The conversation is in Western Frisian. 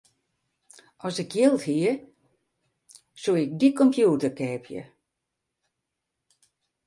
As ik jild hie, soe ik dy kompjûter keapje.